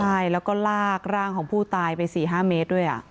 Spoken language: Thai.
ใช่แล้วก็ลากร่างของผู้ตายไป๔๕เมตรด้วย